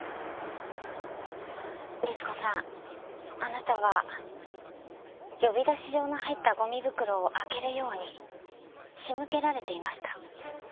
律子さんあなたは呼び出し状の入ったゴミ袋を開けるように仕向けられていました。